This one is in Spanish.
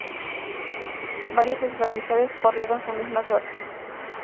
Varias de sus amistades corrieron su misma suerte.